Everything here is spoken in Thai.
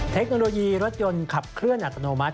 เทคโนโลยีรถยนต์ขับเคลื่อนอัตโนมัติ